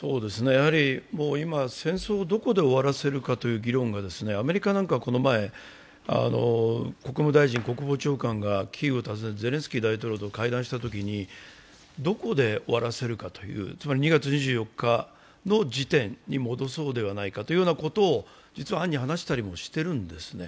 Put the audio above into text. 今、戦争をどこで終わらせるかという議論が、アメリカなんかは、この前、国務大臣、国防長官がキーウを訪ねゼレンスキー大統領と会談したときに、どこで終わらせるかというつまり２月２４日の時点に戻そうじゃないかということを実は暗に話したりもしてるんですね。